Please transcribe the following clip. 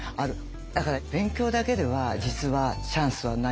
だから勉強だけでは実はチャンスはないんですよ。